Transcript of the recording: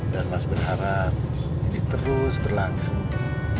dan mas berharap ini terus berlangsung